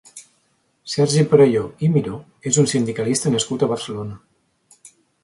Sergi Perelló i Miró és un sindicalista nascut a Barcelona.